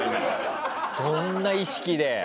そんな意識で。